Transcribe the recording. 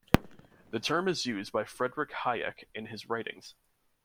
The term is used by Friedrich Hayek in his writings.